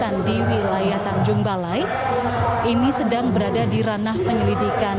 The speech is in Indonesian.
dan di wilayah tanjung balai ini sedang berada di ranah penyelidikan